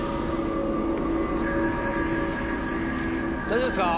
大丈夫ですか？